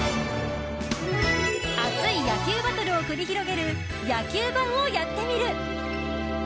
熱い野球バトルを繰り広げる野球盤をやってみる。